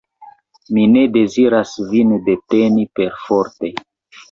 Mi ne deziras vin deteni perforte!